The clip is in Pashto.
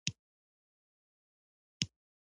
توپک د مینې نغمې خاموشوي.